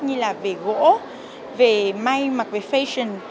như là về gỗ về may mặc về fashion